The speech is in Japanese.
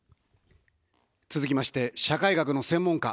続きまして、社会学の専門家。